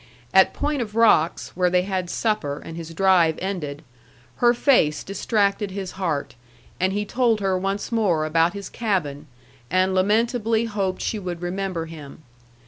At Point of Rocks, where they had supper and his drive ended, her face distracted his heart, and he told her once more about his cabin, and lamentably hoped she would remember him.